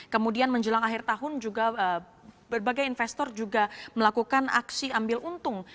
kemudian menjelang akhir tahun juga berbagai investor juga melakukan aksi ambil untung